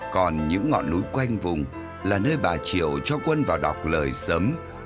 còn những ngọn núi quanh vùng là nơi bà triệu cho quân vào đọc lời sấm